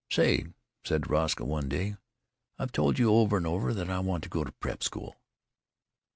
"Say," he said to Roscoe one day, "I've told you over and over that I want to go to prep school."